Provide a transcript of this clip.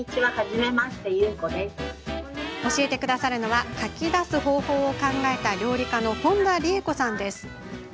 教えてくださるのは書き出す方法を考えた料理家の本多理恵子さん。